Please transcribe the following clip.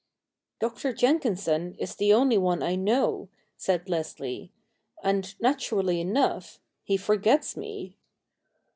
' Dr. Jenkinson is the only one I know,' said Leslie, ' and, naturally enough, he forgets me.'